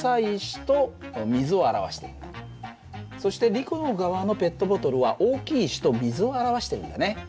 そしてリコの側のペットボトルは大きい石と水を表してるんだね。